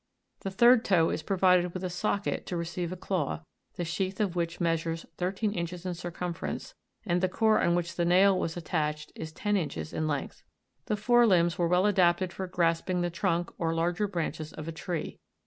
The third toe is provided with a socket to receive a claw, the sheath of which measures thirteen inches in circumference, and the core on which the nail was attached is ten inches in length. The fore limbs were well adapted for grasping the trunk or larger branches of a tree.